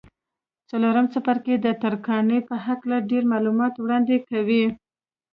څلورم څپرکی د ترکاڼۍ په هکله ډېر معلومات وړاندې کوي.